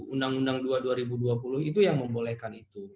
undang undang dua dua ribu dua puluh itu yang membolehkan itu